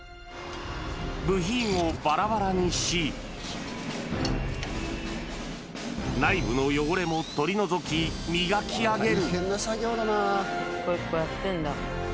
部品をばらばらにし、内部の汚れを取り除き磨き上げる。